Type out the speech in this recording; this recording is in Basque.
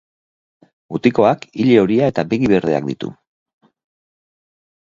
Mutiko ile horia eta begi berdeak ditu.